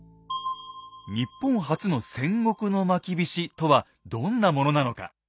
日本初の戦国のまきびしとはどんなものなのか。